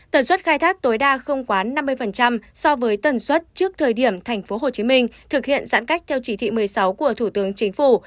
tần suất khai thác tối đa không quá năm mươi so với tần suất trước thời điểm tp hcm thực hiện giãn cách theo chỉ thị một mươi sáu của thủ tướng chính phủ